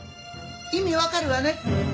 意味わかるわね？